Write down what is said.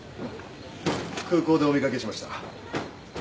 空港でお見掛けしました。